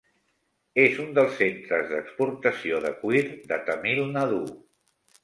És un dels centres d'exportació de cuir de Tamil Nadu.